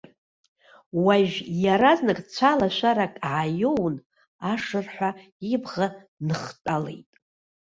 Уажә иаразнак цәалашәарак ааиоун, ашырҳәа ибӷа дныхтәалеит.